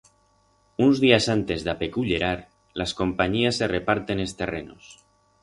Uns días antes d'apecullerar, las companyías se reparten es terrenos.